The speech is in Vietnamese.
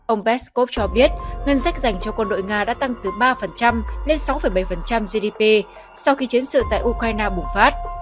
ông peskov cho biết ngân sách dành cho quân đội nga đã tăng từ ba lên sáu bảy gdp sau khi chiến sự tại ukraine bùng phát